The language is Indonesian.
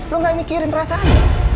lu gak mikirin perasaan dia